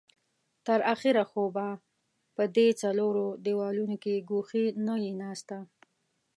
تر اخره خو به په دې څلورو دېوالو کې ګوښې نه يې ناسته.